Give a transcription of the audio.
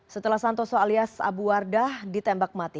setelah santoso alias abu wardah ditembak mati